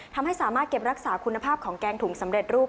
ทำให้สามารถเก็บรักษาคุณภาพของแกงถุงสำเร็จรูป